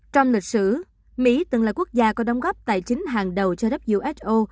trong lịch sử mỹ từng là quốc gia có đóng góp tài chính hàng đầu cho who